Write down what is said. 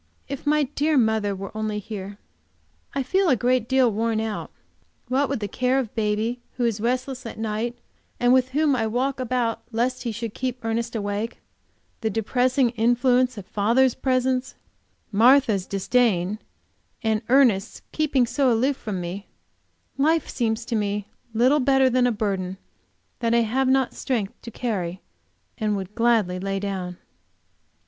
If my dear mother were only here! I feel a good deal worn out. What with the care of baby, who is restless at night, and with whom I walk about lest he should keep Ernest awake, the depressing influence of father's presence, Martha's disdain, and Ernest keeping so aloof from me, life seems to me little better than a burden that I have not strength to carry and would gladly lay down.